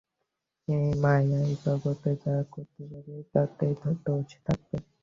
এই মায়ার জগতে যা করতে যাবি, তাইতেই দোষ থাকবে।